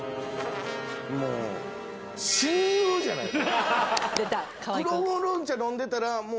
もう親友じゃないの。